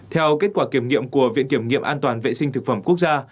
theo kết quả kiểm nghiệm của viện kiểm nghiệm an toàn vệ sinh thực phẩm quốc gia